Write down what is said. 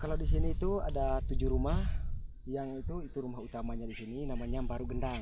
kalau di sini itu ada tujuh rumah yang itu rumah utamanya di sini namanya mbaru gendang